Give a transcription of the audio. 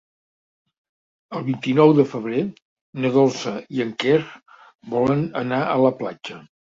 El vint-i-nou de febrer na Dolça i en Quer volen anar a la platja.